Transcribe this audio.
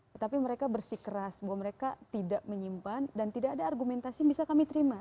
tetapi mereka bersikeras bahwa mereka tidak menyimpan dan tidak ada argumentasi yang bisa kami terima